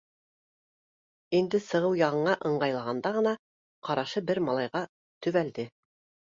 — Инде сығыу яғына ыңғайлағанда ғына, ҡарашы бер малайға төбәлде.